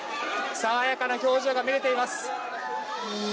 爽やかな表情が見えています。